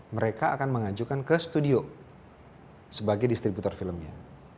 mereka akan mengajukan ke studio sebagai distributor filmnya